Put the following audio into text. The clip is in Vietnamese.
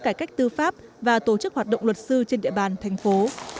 cải cách tư pháp và tổ chức hoạt động luật sư trên địa bàn thành phố